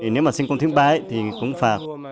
nếu mà sinh công thứ ba thì cũng phải